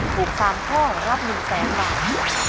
ถูก๓ข้อรับ๑๐๐๐๐๐๐บาท